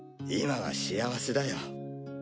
今は幸せだよ。